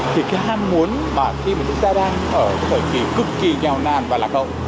thì cái ham muốn mà khi mà chúng ta đang ở cái thời kỳ cực kỳ nghèo nàn và lạc hậu